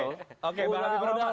oke pak rabbi perumat